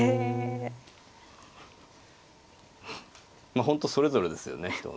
ま本当それぞれですよね人。